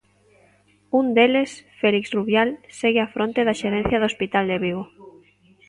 Un deles, Félix Rubial, segue á fronte da Xerencia do Hospital de Vigo.